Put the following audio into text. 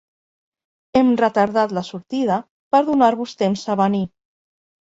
Hem retardat la sortida per donar-vos temps a venir.